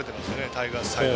タイガースサイド。